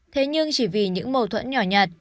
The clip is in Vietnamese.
thế nhưng chỉ vì những mâu thuẫn nhỏ nhạt